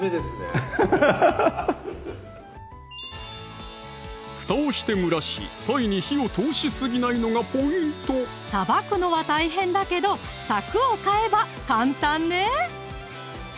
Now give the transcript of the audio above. アハハハッ蓋をして蒸らしたいに火を通しすぎないのがポイントさばくのは大変だけどさくを買えば簡単ね！